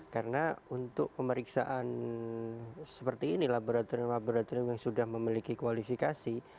karena untuk pemeriksaan seperti ini laboratorium laboratorium yang sudah memiliki kualifikasi